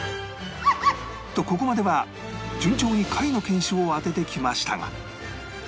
とここまでは順調に下位の犬種を当ててきましたが